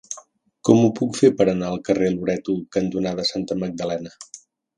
Com ho puc fer per anar al carrer Loreto cantonada Santa Magdalena?